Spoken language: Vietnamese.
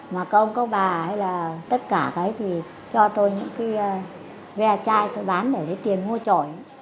mà các ông có bà hay là tất cả cái thì cho tôi những cái ve chai tôi bán để lấy tiền mua trổi